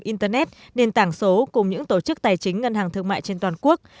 internet nền tảng số cùng những tổ chức tài chính ngân hàng thương mại trên toàn quốc